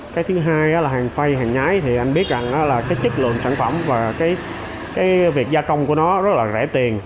cái thứ hai là hàng phay hàng nhái thì anh biết rằng là cái chất lượng sản phẩm và cái việc gia công của nó rất là rẻ tiền